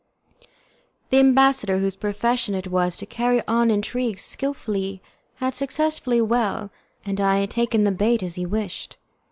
The ambassador, whose profession it was to carry on intrigues skilfully, had succeeded well, and I had taken the bait as he wished.